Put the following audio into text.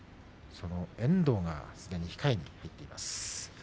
その遠藤がすでに控えています。